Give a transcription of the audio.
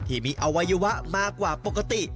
ที่มีอวัยวะมากกว่าปกติ